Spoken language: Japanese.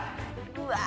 うわ。